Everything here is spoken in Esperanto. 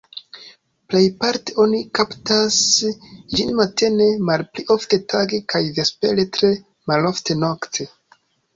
Plejparte oni kaptas ĝin matene, malpli ofte tage kaj vespere, tre malofte nokte.